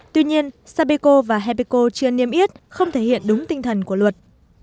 tuy nhiên sapeco và hepeco chưa niêm yết không thể hiện đúng tinh thần của luật